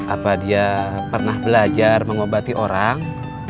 apa dia pernah belajar mengobati orang